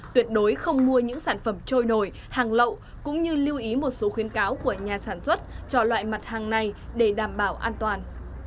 tuyệt đối không mua những sản phẩm trôi nổi hàng lậu cũng như lưu ý một số khuyến cáo của nhà sản xuất cho loại mặt hàng này để đảm bảo an toàn